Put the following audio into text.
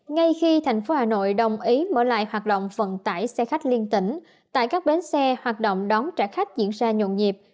ngay khi thành phố hà nội đồng ý mở lại hoạt động vận tải xe khách liên tỉnh tại các bến xe hoạt động đón trả khách diễn ra nhộn nhịp